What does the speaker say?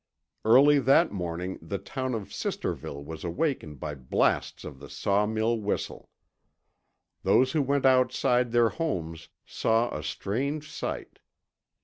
Early that morning the town of Sisterville was awakened by blasts of the sawmill whistle. Those who went outside their homes saw a strange sight.